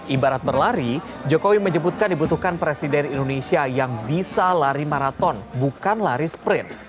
ibarat berlari jokowi menyebutkan dibutuhkan presiden indonesia yang bisa lari maraton bukan lari sprint